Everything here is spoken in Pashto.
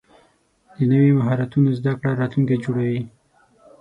د نوي مهارتونو زده کړه راتلونکی جوړوي.